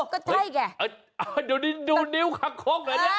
ก็ใช่แกดูนิ้วข้างคกแบบนี้